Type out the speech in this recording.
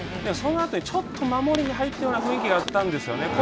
そのあとにちょっと守りに入ったような雰囲気があったんですよね。